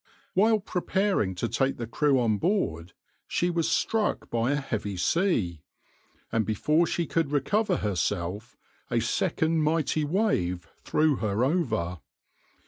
While preparing to take the crew on board, she was struck by a heavy sea, and before she could recover herself, a second mighty wave threw her over.